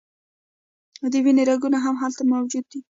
د وینې رګونه هم هلته موجود دي.